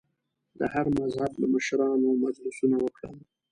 د هر مذهب له مشرانو مجلسونه وکړل.